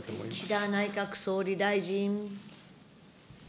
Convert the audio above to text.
岸田内閣総理大臣。